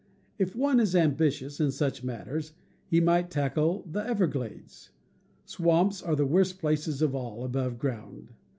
If one is ambitious in such matters, he might tackle the Everglades. Swamps are the worst places of all, above ground.